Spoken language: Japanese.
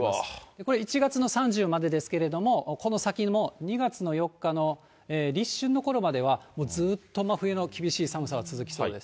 これ、１月の３０までですけれども、この先も２月の４日の立春のころまでは、ずっと真冬の厳しい寒さは続きそうです。